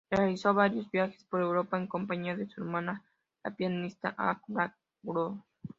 Realizó varios viajes por Europa en compañía de su hermana la pianista Agathe Backer-Grøndahl.